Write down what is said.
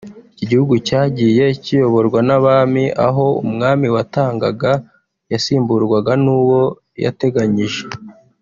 iki gihugu cyagiye kiyoborwa n’abami aho umwami watangaga yasimburwaga n’uwo yateganyije